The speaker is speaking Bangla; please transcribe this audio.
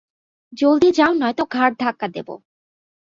জলদি যাও নয়তো ঘাড়ধাক্কা দেবো।